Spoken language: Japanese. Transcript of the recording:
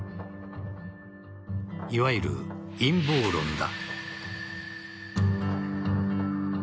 いわゆる陰謀論だ。